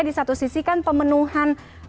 di satu sisi kan pemenuhan